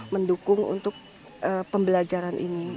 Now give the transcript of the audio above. mendukung untuk pembelajaran ini